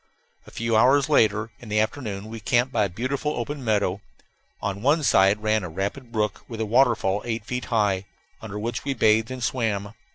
A few hours later, in the afternoon, we camped by a beautiful open meadow; on one side ran a rapid brook, with a waterfall eight feet high, under which we bathed and swam.